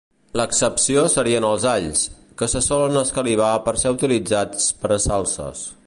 L'excepció serien els alls, que se solen escalivar per ser utilitzats per a salses.